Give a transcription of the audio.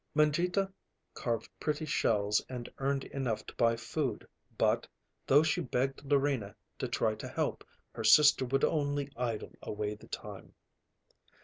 Mangita carved pretty shells and earned enough to buy food, but, though she begged Larina to try to help, her sister would only idle away the time.